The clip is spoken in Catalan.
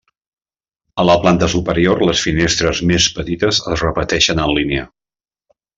A la planta superior les finestres més petites es repeteixen en línia.